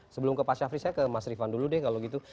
sebelum ke pak syafri saya ke mas rifan dulu deh kalau gitu